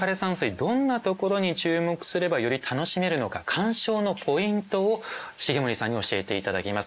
どんなところに注目すればより楽しめるのか鑑賞のポイントを重森さんに教えて頂きます。